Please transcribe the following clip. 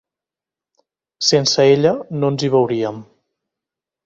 Sense ella no ens hi veuríem.